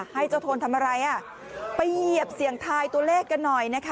ให้เจ้าโทนทำอะไรอ่ะไปเหยียบเสียงทายตัวเลขกันหน่อยนะคะ